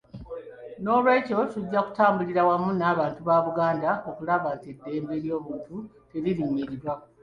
Noolwekyo tujja kutambulira wamu n'abantu ba Buganda okulaba nti eddembe ly'obuntu teririnnyirirwa.